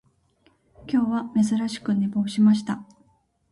今日は珍しく寝坊しました